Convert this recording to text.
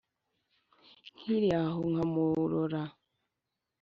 nkiri aho nkamurora.